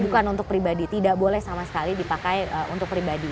bukan untuk pribadi tidak boleh sama sekali dipakai untuk pribadi